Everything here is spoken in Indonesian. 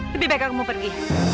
lebih baik aku mau pergi